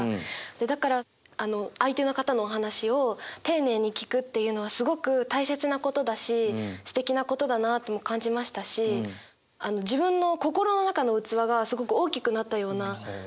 だから相手の方のお話を丁寧に聞くっていうのはすごく大切なことだしすてきなことだなとも感じましたし自分の心の中の器がすごく大きくなったような感じを受けて。